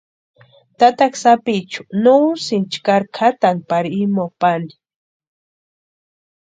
Tataka sapichu nu úsïnti chkari kʼatani pari imoo pani.